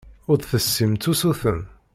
Ur d-tessimt usuten.